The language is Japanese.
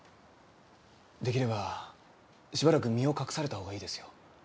出来ればしばらく身を隠されたほうがいいですよ。